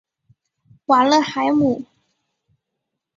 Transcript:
瓦勒海姆。